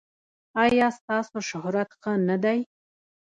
ایا ستاسو شهرت ښه نه دی؟